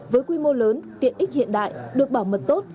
với quy mô lớn tiện ích hiện đại được bảo mật tốt